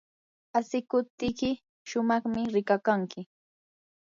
asikuptiyki shumaqmi rikakanki.